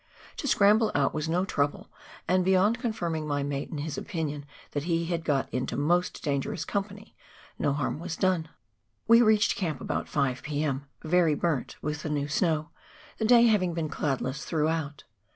To scramble out was no trouble, and, beyond confirming my mate in his opinion that he had got into most dangerous company, no harm was done ! We reached camp about 5 p.m., very burnt with the new snow, the day having been cloudless throughout.